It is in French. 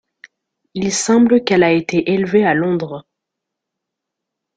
Il semble qu'elle a été élevée à Londres.